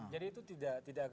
jadi itu tidak agak